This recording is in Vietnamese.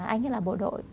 anh ấy là bộ đội